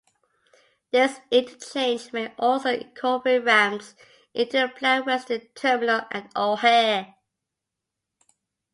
This interchange may also incorporate ramps into a planned western terminal at O'Hare.